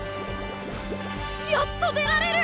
やっと出られる！